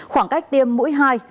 khoảng cách tiêm mũi hai sau mũi một